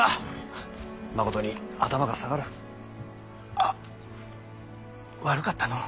あ悪かったのう